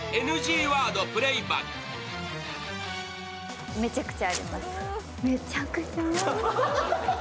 ＮＧワードプレイバック。